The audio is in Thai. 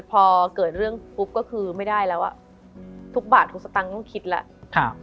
พอเกิดเรื่องปุ๊บก็คือไม่ได้แล้วอ่ะทุกบาททุกสตางค์ต้องคิดแล้ว